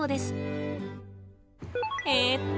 えっと